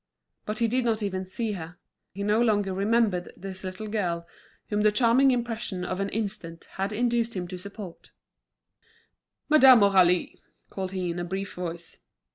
But he did not even see her; he no longer remembered this little girl whom the charming impression of an instant had induced him to support. [Illustration pic 01.jpg] "Madame Aurélie," called he in a brief voice.